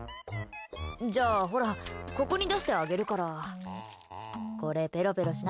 じゃあ、ほらここに出してあげるからこれ、ペロペロしな。